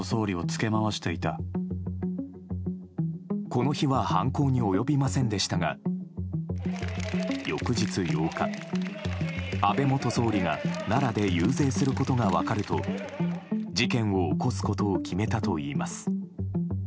この日は犯行に及びませんでしたが翌日８日、安倍元総理が奈良で遊説することが分かると事件を起こすことを決めたといいます。